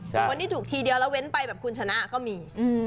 คนที่ถูกทีเดียวแล้วเว้นไปแบบคุณชนะก็มี